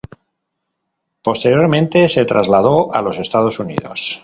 Posteriormente, se trasladó a los Estados Unidos.